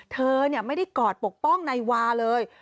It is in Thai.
เธอไม่ได้กอดปกป้องนายวาเลย